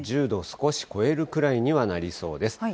１０度を少し超えるくらいにはなりそうです。